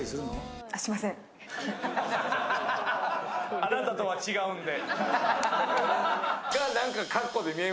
あなたとは違うんで。